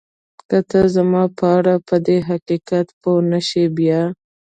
که ته زما په اړه پدې حقیقت پوه نه شې